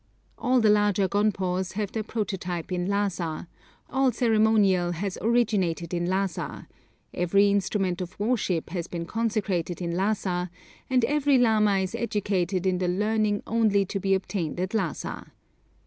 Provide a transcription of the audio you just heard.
All the larger gonpos have their prototype in Lhassa, all ceremonial has originated in Lhassa, every instrument of worship has been consecrated in Lhassa, and every lama is educated in the learning only to be obtained at Lhassa.